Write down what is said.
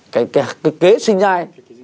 cái kế sinh nhai